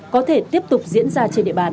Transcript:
có thể tiếp tục diễn ra trên địa bàn